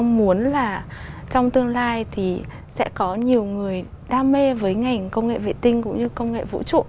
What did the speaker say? tôi muốn là trong tương lai thì sẽ có nhiều người đam mê với ngành công nghệ vệ tinh cũng như công nghệ vũ trụ